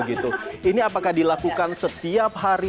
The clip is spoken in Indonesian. ini apakah dilakukan setiap hari setiap hari